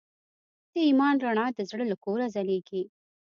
د ایمان رڼا د زړه له کوره ځلېږي.